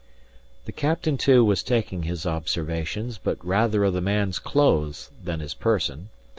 The captain, too, was taking his observations, but rather of the man's clothes than his person.